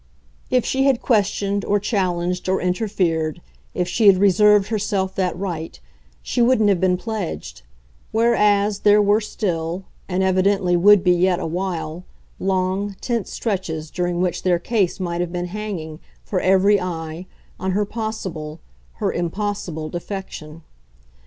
If she had questioned or challenged or interfered if she had reserved herself that right she wouldn't have been pledged; whereas there were still, and evidently would be yet a while, long, tense stretches during which their case might have been hanging, for every eye, on her possible, her impossible defection.